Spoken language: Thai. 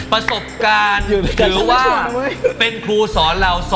ประสบการณ์คือว่า